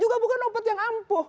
juga bukan obat yang ampuh